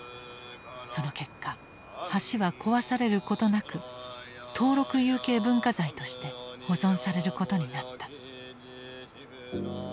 その結果橋は壊されることなく登録有形文化財として保存されることになった。